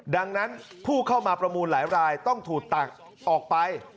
ดังนั้นผู้เข้ามาประมูลหลายรายต้องถูกตักออกไป